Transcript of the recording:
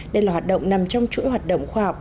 đây là hoạt động nằm trong chuỗi hoạt động khoa học